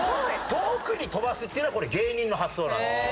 「遠くに飛ばす」っていうのはこれ芸人の発想なんですよ。